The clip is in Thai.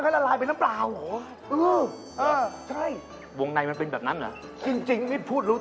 ดำมันน่ะใช้ดำมันหมูทอด